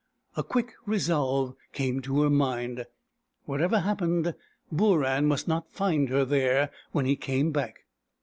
A quick resolve came to her mind. Whatever hap pened, Booran must not find her there when he came back.